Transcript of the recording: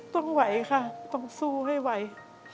ต้องไหวค่ะต้องสู้ให้ไหว